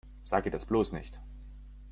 Sag ihr das bloß nicht!